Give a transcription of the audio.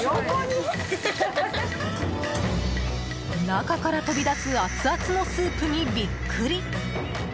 中から飛び出す熱々のスープにビックリ！